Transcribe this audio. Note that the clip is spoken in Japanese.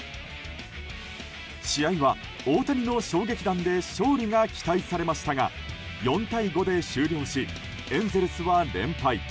試合は、大谷の衝撃弾で勝利が期待されましたが４対５で終了しエンゼルスは連敗。